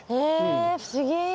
え不思議。